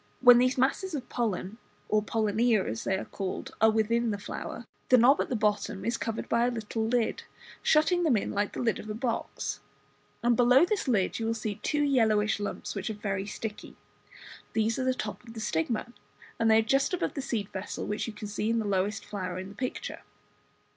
When these masses of pollen, or pollinia as they are called, are within the flower, the knob at the bottom is covered by a little lid, shutting them in like the lid of a box, and just below this lid you will see two yellowish lumps, which are very sticky. These are the top of the stigma, and they are just above the seed vessel, which you can see in the lowest flower in the picture.